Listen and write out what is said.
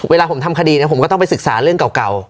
เวลาผมทำคดีผมก็ต้องไปศึกษาเรื่องเก่า